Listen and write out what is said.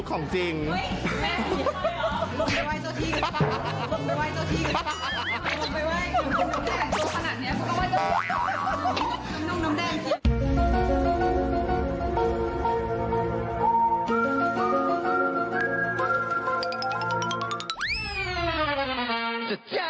แห่งตัวขนาดนี้ก็ว่าจะ